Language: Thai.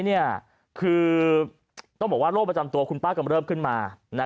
คือต้องบอกว่าโรคประจำตัวคุณป้ากำเริบขึ้นมา